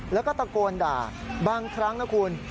แล้วก็ตะโกนด่าบางครั้งนะคุณ